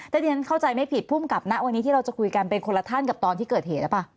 ถ้าที่ฉันเข้าใจไม่ผิดภูมิกับณวันนี้ที่เราจะคุยกันเป็นคนละท่านกับตอนที่เกิดเหตุหรือเปล่า